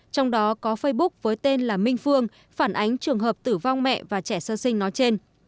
trong đó có facebook với tên là minh phương phản ánh trường hợp tử vong mẹ và trẻ sơ sinh nói trên